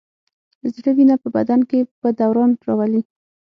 زړه وینه په بدن کې په دوران راولي.